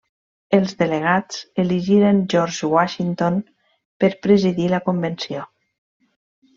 Els delegats elegiren George Washington per presidir la convenció.